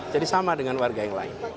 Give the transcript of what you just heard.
jadi sama dengan warga yang lain